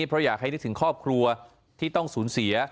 เพราะอยากให้นึกถึงครอบครัวที่ต้องสูญเสีย